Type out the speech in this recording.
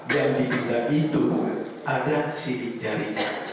dan di benda itu ada sirip jari